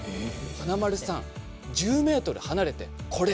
華丸さん１０ｍ離れてこれ。